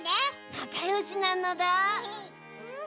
なかよしなのだ。